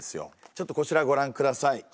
ちょっとこちらご覧下さい。